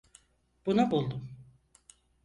Bunu buldum.